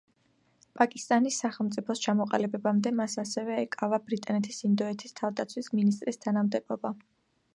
პაკისტანის სახელმწიფოს ჩამოყალიბებამდე მას ასევე ეკავა ბრიტანეთის ინდოეთის თავდაცვის მინისტრის თანამდებობა.